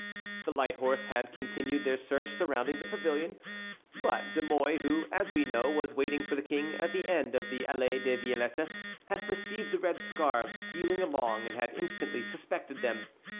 The light horse had continued their search surrounding the pavilion; but De Mouy, who, as we know, was waiting for the king at the end of the Allée des Violettes, had perceived the red scarfs stealing along and had instantly suspected them.